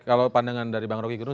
kalau pandangan dari bang rocky gunung